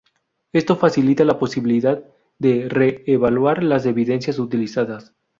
Esto facilita la posibilidad de re-evaluar las evidencias utilizadas.